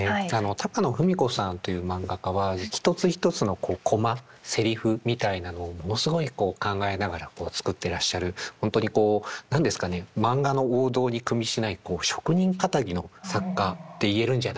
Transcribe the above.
高野文子さんというマンガ家は一つ一つのコマセリフみたいなのをものすごいこう考えながら作ってらっしゃる本当にこう何ですかねマンガの王道にくみしない職人かたぎの作家って言えるんじゃないかなと。